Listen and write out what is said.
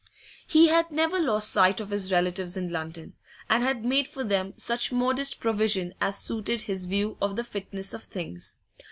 He had never lost sight of his relatives in London, and had made for them such modest provision as suited his view of the fitness of things.